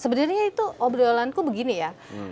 sebenarnya itu obrolanku begini ya